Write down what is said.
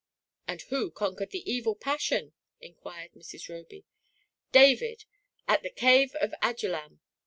"And who conquered the evil passion?" inquired Mrs. Roby. " David ; at the cave of Adullam